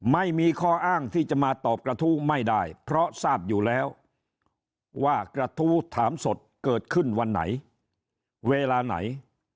ไม่มีข้ออ้างที่จะมาตอบกระทู้ไม่ได้เพราะทราบอยู่แล้วว่ากระทู้ถามสดเกิดขึ้นวันไหนเวลาไหน